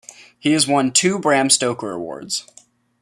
He has won two Bram Stoker Awards.